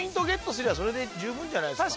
すりゃそれで十分じゃないすか